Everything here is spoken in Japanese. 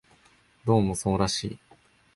どうもそうらしい